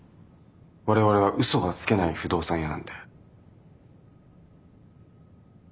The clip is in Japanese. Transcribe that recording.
我々は嘘がつけない不動産屋なんで。